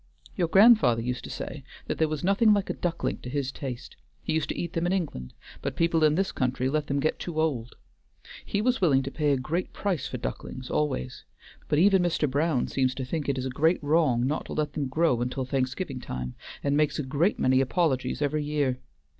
Your grandfather used to say that there was nothing like a duckling to his taste; he used to eat them in England, but people in this country let them get too old. He was willing to pay a great price for ducklings always; but even Mr. Brown seems to think it is a great wrong not to let them grow until Thanksgiving time, and makes a great many apologies every year.